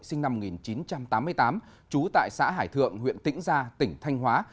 sinh năm một nghìn chín trăm tám mươi tám trú tại xã hải thượng huyện tĩnh gia tỉnh thanh hóa